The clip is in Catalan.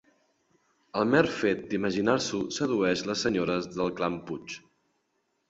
El mer fet d'imaginar-s'ho sedueix les senyores del clan Puig.